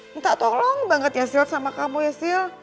minta tolong banget ya silt sama kamu ya sil